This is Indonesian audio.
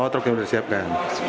lima truk yang sudah disiapkan